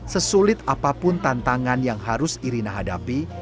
sesulit apapun tantangan yang harus irina hadapi